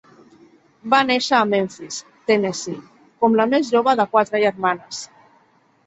Va néixer a Memphis, Tennessee, com la més jove de quatre germanes.